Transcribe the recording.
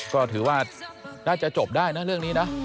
ก็ถือว่าน่าจะจบได้นะเรื่องนี้นะ